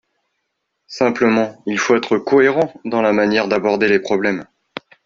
Simplement, il faut être cohérent dans la manière d’aborder les problèmes.